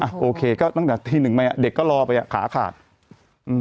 โอเคก็ตั้งแต่ตีหนึ่งไปอ่ะเด็กก็รอไปอ่ะขาขาดอืม